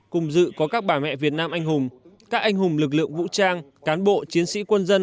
cùng dự có các bà mẹ việt nam anh hùng các anh hùng lực lượng vũ trang cán bộ chiến sĩ quân dân